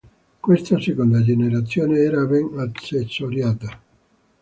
Questa seconda generazione era ben accessoriata.